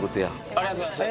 ありがとうございます。